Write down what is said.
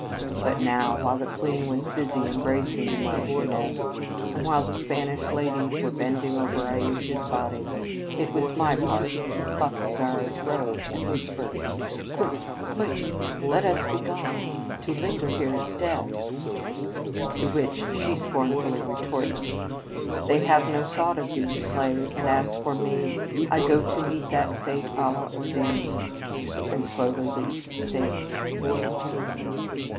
But now, while the queen was busy embracing the marchioness, and while the Spanish ladies were bending over Ayesha s body, it was my part to pluck Zara s robe, and whisper: " Quick, quick, let us be gone! To linger here is death." To which she scornfully retorts :" They have no thought of thee, slave ; and, as for me, I go to meet what fate Allah ordains: " and slowly leaves the stage.